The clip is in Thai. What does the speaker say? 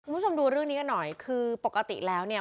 คุณผู้ชมดูเรื่องนี้กันหน่อยคือปกติแล้วเนี่ย